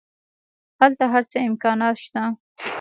هلته هر څه امکانات شته.